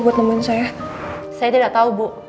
buat nemuin saya saya tidak tahu bu